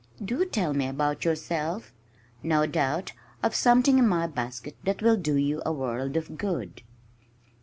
Do tell me all about yourself! No doubt I've something in my basket that will do you a world of good."